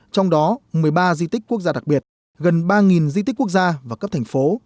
trong đó một mươi ba di tích quốc gia đặc biệt gần ba di tích quốc gia và cấp thành phố